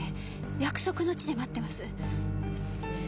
約束の地で待ってます」